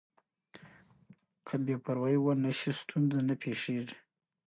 که بې پروايي ونه شي ستونزه نه پېښېږي.